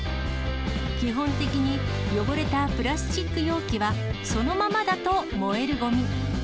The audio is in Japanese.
基本的に汚れたプラスチック容器は、そのままだと燃えるごみ。